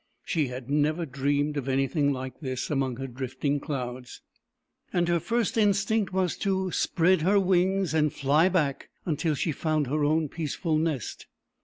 She had never dreamed of anything like this, among her drifting clouds, and her first in stinct was to spread her wings and fly back until she found her own peaceful nest.